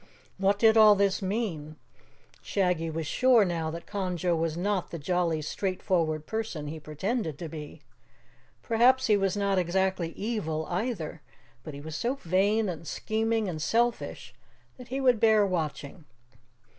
What did all this mean? Shaggy was sure now that Conjo was not the jolly, straightforward person he pretended to be. Perhaps he was not exactly evil, either, but he was so vain and scheming and selfish that he would bear watching.